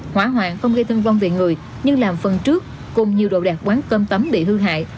hóa hoạn không gây thương vong về người nhưng làm phần trước cùng nhiều độ đạt quán cơm tấm bị hư hại